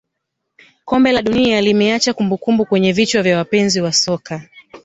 kombe la dunia limeacha kumbukumbu kwenye vichwa vya wapenzi wa soka